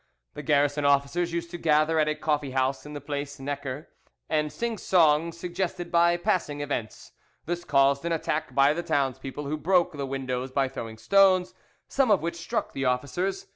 The garrison officers used to gather at a coffee house in the place Necker, and sing songs suggested by passing events. This caused an attack by the townspeople, who broke the windows by throwing stones, some of which struck the officers.